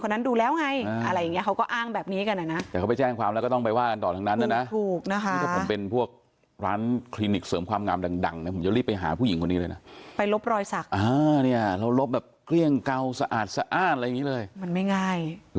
คนนั้นดูแล้วไงอะไรอย่างเงี้ยเขาก็อ้างแบบนี้กันนะ